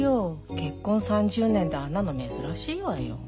結婚３０年であんなの珍しいわよ。